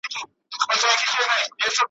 له بدو څخه یا غلی اوسه یا لیري اوسه ,